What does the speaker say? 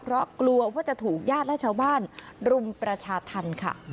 เพราะกลัวว่าจะถูกญาติและชาวบ้านรุมประชาธรรมค่ะ